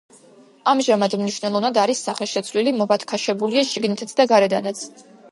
ამჟამად მნიშვნელოვნად არის სახეშეცვლილი, მობათქაშებულია შიგნითაც და გარედანაც.